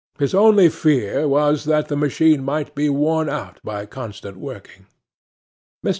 His only fear was that the machine might be worn out by constant working. 'MR.